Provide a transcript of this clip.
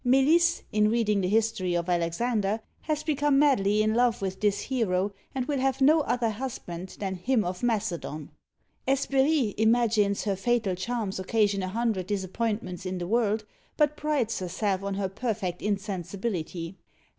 Melisse, in reading the "History of Alexander," has become madly in love with this hero, and will have no other husband than "him of Macedon." Hesperie imagines her fatal charms occasion a hundred disappointments in the world, but prides herself on her perfect insensibility.